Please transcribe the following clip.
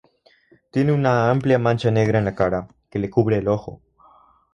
Tiene una amplia mancha negra en la cara, que le cubre el ojo.